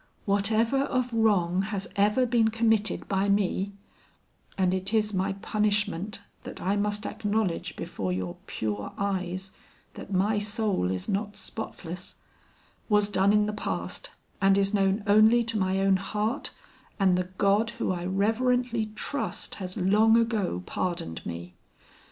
Whatever of wrong has ever been committed by me and it is my punishment that I must acknowledge before your pure eyes that my soul is not spotless was done in the past, and is known only to my own heart and the God who I reverently trust has long ago pardoned me.